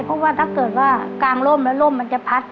เพราะว่าถ้าเกิดว่ากางร่มแล้วร่มมันจะพัด